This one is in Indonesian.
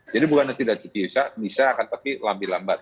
jadi bukanlah tidak kebiasaan bisa tapi akan lebih lambat